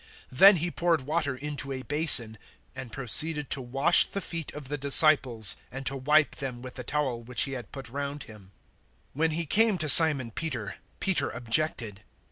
013:005 Then He poured water into a basin, and proceeded to wash the feet of the disciples and to wipe them with the towel which He had put round Him. 013:006 When He came to Simon Peter, Peter objected.